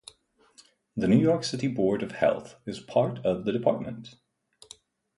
The New York City Board of Health is part of the department.